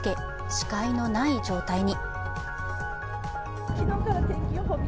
視界のない状態に。